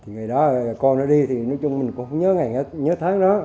ngày đó con nó đi thì nói chung mình cũng không nhớ tháng đó